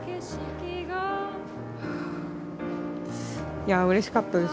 いやうれしかったです。